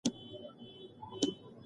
ولې د ټولنیزو ستونزو انکار مه کوې؟